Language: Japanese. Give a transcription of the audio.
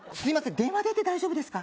電話出て大丈夫ですか？